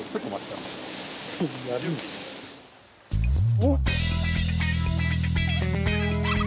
おっ？